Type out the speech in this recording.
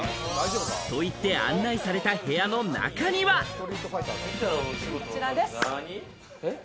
といって案内された部屋の中こちらです。